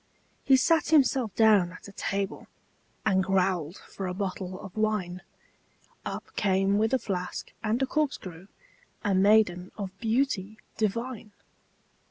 He sat himself down at a table, And growled for a bottle of wine; Up came with a flask and a corkscrew A maiden of beauty divine.